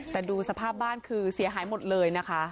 แต่ดูสภาพบ้านคือเสียหายหมดเลยนะคะ